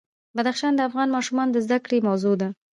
بدخشان د افغان ماشومانو د زده کړې موضوع ده.